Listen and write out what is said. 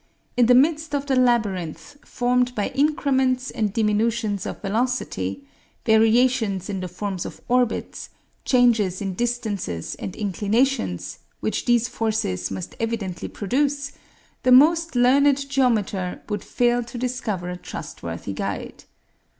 In the midst of the labyrinth formed by increments and diminutions of velocity, variations in the forms of orbits, changes in distances and inclinations, which these forces must evidently produce, the most learned geometer would fail to discover a trustworthy guide.